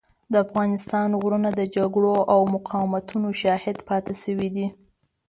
د افغانستان غرونه د جګړو او مقاومتونو شاهد پاتې شوي دي.